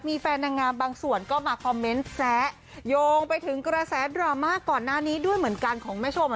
มีแฟนนางงามบางส่วนก็มาคอมเมนต์แซะโยงไปถึงกระแสดราม่าก่อนหน้านี้ด้วยเหมือนกันของแม่ชม